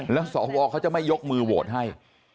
แล้วสวเขาจะไม่ยกมือโหวตให้